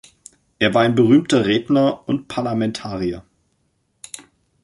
Er war ein berühmter Redner und Parlamentarier.